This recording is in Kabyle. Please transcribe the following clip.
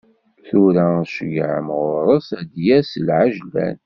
Tura ad tceyyɛem ɣur-s ad d-yas s lɛejlan.